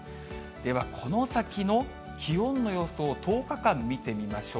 では、この先の気温の予想を１０日間見てみましょう。